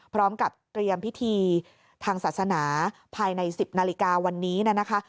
พร้อมกับเตรียมพิธีทางศาสนาภายใน๑๐นาฬิกาวันนี้นะคะ